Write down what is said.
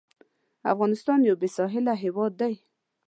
افغانستان یو بېساحله هېواد دی.